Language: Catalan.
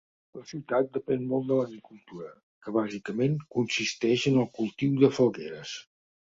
La ciutat depèn molt de l'agricultura, que bàsicament consisteix en el cultiu de falgueres.